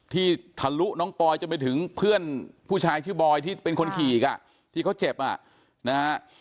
ทะลุน้องปอยจนไปถึงเพื่อนผู้ชายชื่อบอยที่เป็นคนขี่อีกอ่ะที่เขาเจ็บอ่ะนะฮะ